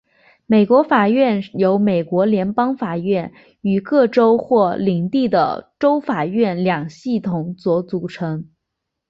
美国法院由美国联邦法院与各州或领地的州法院两系统所组成。